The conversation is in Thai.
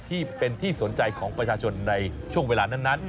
ที่เป็นที่สนใจของประชาชนในช่วงเวลานั้น